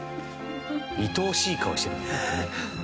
いとおしい顔してるね。